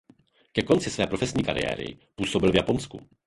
Ke konci své profesionální kariéry působil v Japonsku.